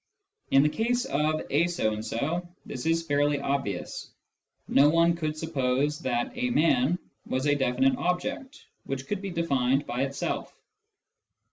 In the case of " a so and so," this is fairly obvious : no one could suppose that " a man " was a definite object, which could be defined by itself.